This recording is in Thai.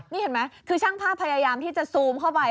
นี่เห็นไหมคือช่างภาพพยายามที่จะซูมเข้าไป